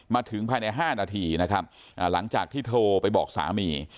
มาถึงภายใน๕นาทีนะครับหลังจากที่โทรไปบอกสามี